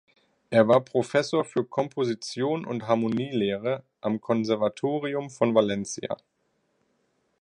Er war Professor für Komposition und Harmonielehre am Konservatorium von Valencia.